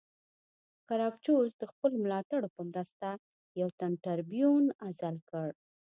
ګراکچوس د خپلو ملاتړو په مرسته یو تن ټربیون عزل کړ